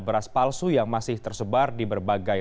beras palsu yang masih tersebar di berbagai